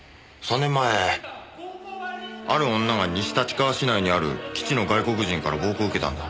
３年前ある女が西立川市内にある基地の外国人から暴行を受けたんだ。